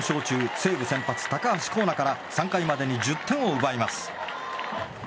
西武先発、高橋光成から３回までに１０点を奪います。